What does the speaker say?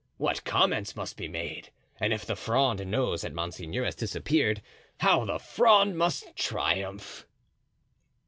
What comments must be made; and if the Fronde knows that monseigneur has disappeared, how the Fronde must triumph!"